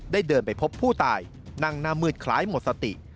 เดินไปพบผู้ตายนั่งหน้ามืดคล้ายหมดสติ